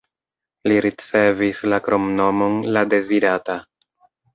Li ricevis la kromnomon "la dezirata".